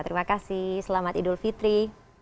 terima kasih selamat idul fitri